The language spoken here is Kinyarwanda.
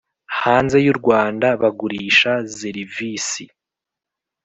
hanze y u Rwanda bagurisha zerivisi.